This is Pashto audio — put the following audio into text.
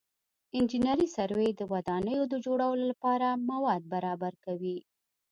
انجنیري سروې د ودانیو د جوړولو لپاره مواد برابر کوي